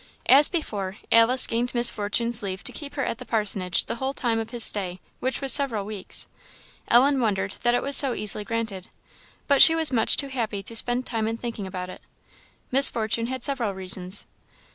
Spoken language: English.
As before, Alice gained Miss Fortune's leave to keep her at the parsonage the whole time of his stay, which was several weeks. Ellen wondered that it was so easily granted, but she was much too happy to spend time in thinking about it. Miss Fortune had several reasons.